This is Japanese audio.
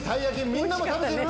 みんなも食べてる？